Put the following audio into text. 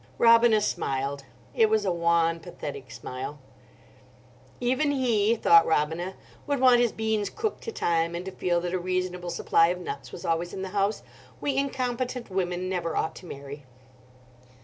Robina smiled. It was a wan, pathetic smile. "Even he," thought Robina, "would want his beans cooked to time, and to feel that a reasonable supply of nuts was always in the house. We incompetent women never ought to marry."